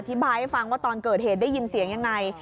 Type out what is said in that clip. บายให้ฟังว่าตอนเกิดเหตุได้ยินเสียงยังไง